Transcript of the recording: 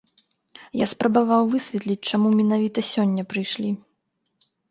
Я спрабаваў высветліць чаму менавіта сёння прыйшлі.